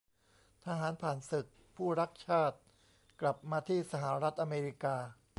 ทหารผ่านศึกผู้รักชาติกลับมาที่สหรัฐอเมริกา